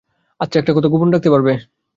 আচ্ছা, একটা কথা গোপন রাখতে পারবে?